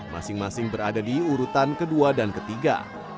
masing masing berada di urutan kedua dan ketiga